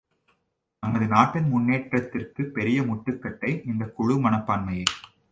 நமது நாட்டின் முன்னேற்றத்திற்குப் பெரிய முட்டுக்கட்டை இந்தக் குழு மனப்பான்மையே!